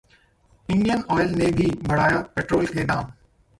Indian Oil ने भी बढ़ाए पेट्रोल के दाम